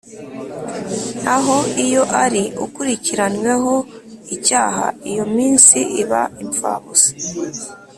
naho iyo ari ukurikiranyweho icyaha iyo minsi iba imfabusa